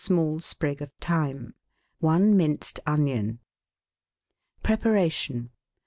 i small sprig of thyme. I minced onion. Preparation.